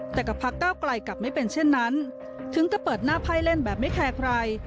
แต่กับพักเก้าไกลกลับไม่เป็นเช่นนั้นถึงก็เปิดหน้าไพ่เล่นแบบไม่แคร์ใคร